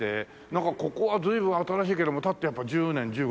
なんかここは随分新しいけども建ってやっぱり１０年１５年？